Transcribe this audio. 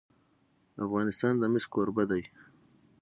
افغانستان د مس کوربه دی.